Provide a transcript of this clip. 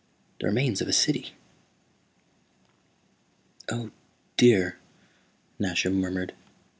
The remains of a city." "Oh, dear," Nasha murmured.